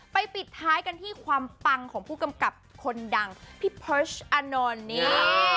ปิดท้ายกันที่ความปังของผู้กำกับคนดังพี่พอชอานนท์นี่